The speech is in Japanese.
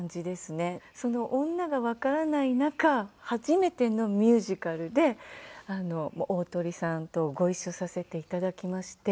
その女がわからない中初めてのミュージカルで鳳さんとご一緒させていただきまして。